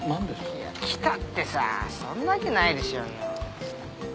いやきたってさそんなわけないでしょうよ。